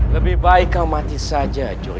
lebih baik kau mati saja jorge